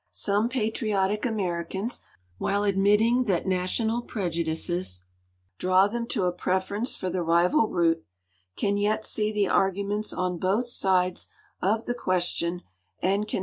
Some ])atriotic Americans, while admitting that national preju dices draw them to a preference for the rival route, can yet see the arguments on both sides of the question and can di.